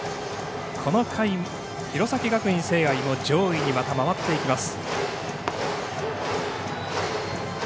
この回、弘前学院聖愛も上位にまた回っていきます。